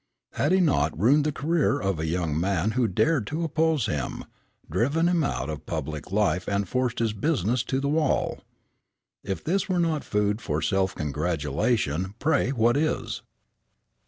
Had he not ruined the career of a young man who dared to oppose him, driven him out of public life and forced his business to the wall? If this were not food for self congratulation pray what is?